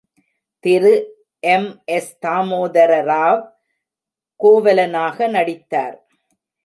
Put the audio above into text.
திரு எம்.எஸ்.தாமோதரராவ் கோவலனாக நடித்தார்.